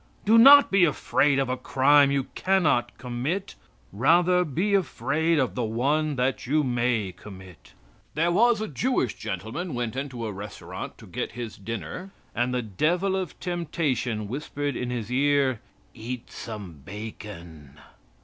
Do not be afraid of a crime you cannot commit. Rather be afraid of the one that you may commit. There was a Jewish gentleman went into a restaurant to get his dinner, and the devil of temptation whispered in his ear: "Eat some bacon."